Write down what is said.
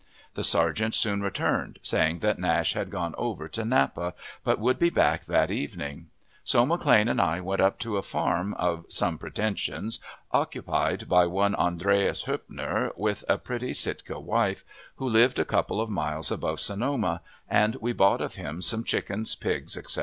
The sergeant soon returned, saying that Nash had gone over to Napa, but would be back that evening; so McLane and I went up to a farm of some pretensions, occupied by one Andreas Hoepner, with a pretty Sitka wife, who lived a couple of miles above Sonoma, and we bought of him some chickens, pigs, etc.